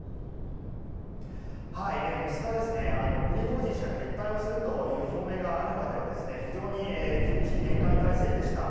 モスクワはプリゴジン氏が撤退をするという表明があるまでは非常に厳しい厳戒態勢でした。